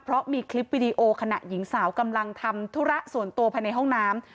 เพราะมีคลิปวิดีโอขณะหญิงสาวกำลังทำธุระส่วนตัวภายในห้องน้ำ